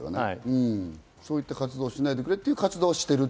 そういった活動をしないでくれという活動している。